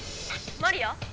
マリア？